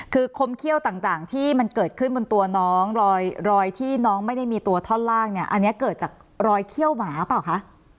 คือคมเขี้ยวต่างที่มันเกิดขึ้นบนตัวน้องรอยที่น้องไม่ได้มีตัวท่อนล่างเนี่ยอันนี้เกิดจากรอยเขี้ยวหมาเปล่าคะ